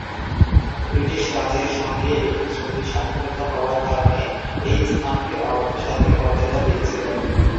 British রাজের সঙ্গে একটি চুক্তি স্বাক্ষরিত হওয়ার কারণে এই স্থানটি অর্ধ-স্বাধীন মর্যাদা পেয়েছিল।